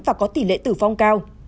và có tỷ lệ tử vong cao